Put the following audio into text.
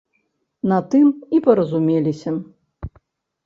На тым і паразумеліся.